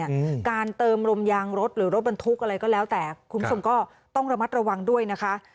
อืมการเติมลมยางรถหรือรถบรรทุกอะไรก็แล้วแต่คุณผู้ชมก็ต้องระมัดระวังด้วยนะคะ